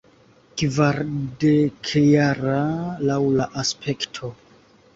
Kvardekjara, laŭ la aspekto.